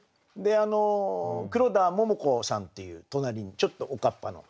黒田杏子さんっていう隣にちょっとおかっぱの。